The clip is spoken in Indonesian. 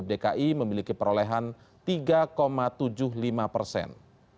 dki memiliki perolehan tiga tujuh puluh lima persen